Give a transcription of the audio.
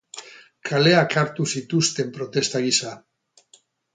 Kaleak hartu zituzten protesta gisa.